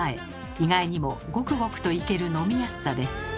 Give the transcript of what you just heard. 意外にもゴクゴクといける飲みやすさです。